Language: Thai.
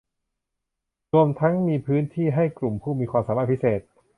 รวมทั้งมีพื้นที่ให้กลุ่มผู้มีความสามารถพิเศษ